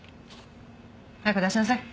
早く出しなさい。